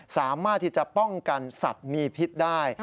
สามารถที่จะป้องกันสัตว์มีพิษได้